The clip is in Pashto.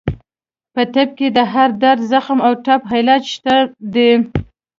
په طب کې د هر درد، زخم او ټپ علاج شته دی.